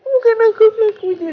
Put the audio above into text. bukan aku melakunya